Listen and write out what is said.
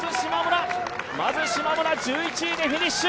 まず、しまむらが１１位でフィニッシュ。